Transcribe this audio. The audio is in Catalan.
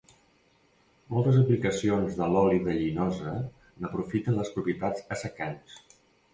Moltes aplicacions de l'oli de llinosa n'aprofiten les propietats assecants.